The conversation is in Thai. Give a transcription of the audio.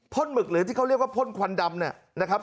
หมึกหรือที่เขาเรียกว่าพ่นควันดำเนี่ยนะครับ